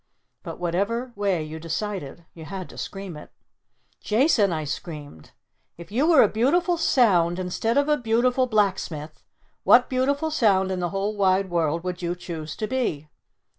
But whatever way you decided you had to scream it. "Jason," I screamed. "If you were a Beautiful Sound instead of a Beautiful Blacksmith, what Beautiful Sound in the whole wide world would you choose to be?"